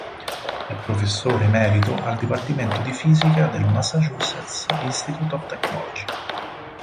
È professore emerito al dipartimento di fisica del Massachusetts Institute of Technology.